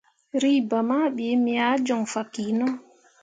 Reba ma ɓii me ah joŋ fah kino.